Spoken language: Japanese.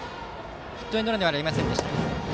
ヒットエンドランにはなりませんでした。